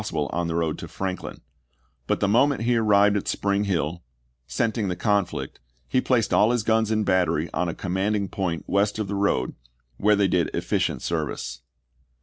sible on the road to Franklin ; but the moment he arrived at Spring Hill, scenting the conflict, he placed all his guns in battery on a commanding point west of the road, where they did efficient service.